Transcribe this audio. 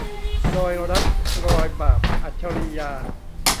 รอยรัก รอยบาป - อัจฉรียา